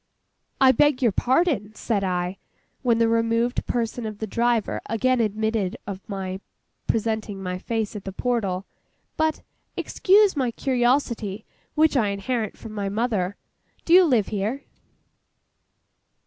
'I beg your pardon,' said I, when the removed person of the driver again admitted of my presenting my face at the portal. 'But—excuse my curiosity, which I inherit from my mother—do you live here?